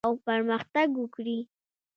او پرمختګ وکړي.